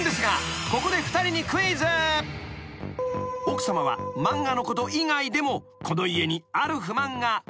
［奥さまは漫画のこと以外でもこの家にある不満が］